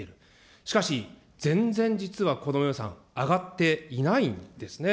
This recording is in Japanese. しかし、全然実はこの予算、あがっていないんですね。